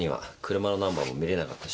車のナンバーも見れなかったし。